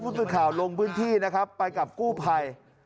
ผู้ตูดข่าวลงบื้นที่นะครับไปกับกู้ไพร